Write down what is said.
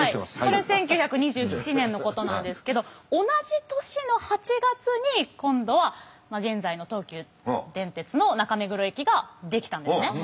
これ１９２７年のことなんですけど同じ年の８月に今度は現在の東急電鉄の中目黒駅が出来たんですね。